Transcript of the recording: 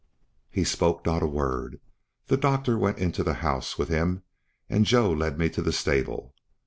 He spoke not a word; the doctor went into the house with him, and Joe led me to the stable.